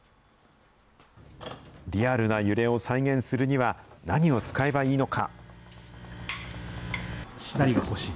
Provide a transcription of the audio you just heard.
リアルな揺れを再現するには、何を使えばいいのか。